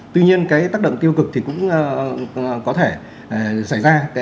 tuy nhiên cái tác động tiêu cực thì cũng có thể xảy ra